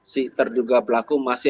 si terduga pelaku